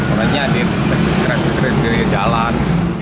orangnya dikeret keret di jalan